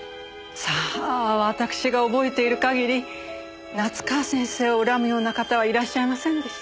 さあわたくしが覚えている限り夏河先生を恨むような方はいらっしゃいませんでした。